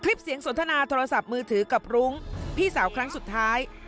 คลิปเสียงสนทนาโทรศัพท์มือถือกับรุ้งพี่สาวครั้งสุดท้าย